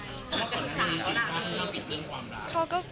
เธอต่างสุดใจถ้าปิดเรื่องความรัก